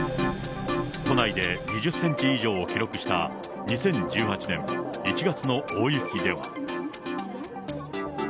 都内で２０センチ以上を記録した２０１８年１月の大雪では。